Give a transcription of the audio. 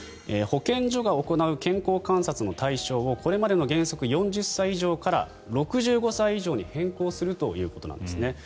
保健所が行う健康観察の対象をこれまでの原則４０歳以上から６５歳以上に変更するということなんですね。